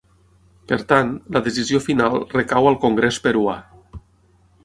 Per tant, la decisió final recau al Congrés peruà.